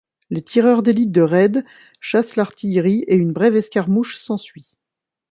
Les tireurs d'élite de Reid chassent l'artillerie et une brève escarmouche s'ensuit.